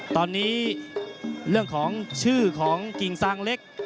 ตอนนี้เรื่องของชื่อของกิ่งซางเล็ก